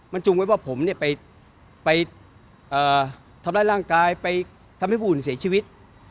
มันจุงไว้ว่าผมเนี่ยไปทำร้ายร่างกายไปทำให้ผู้อื่นเสียชีวิต